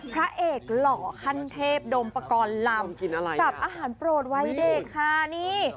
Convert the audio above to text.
พระเอกหล่อคันเทพดมประกอบลำกับอาหารโปรดไว้เด็กค่ะนี่